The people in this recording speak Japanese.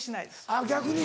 あっ逆に。